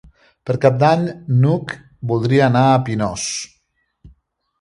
Per Cap d'Any n'Hug voldria anar a Pinós.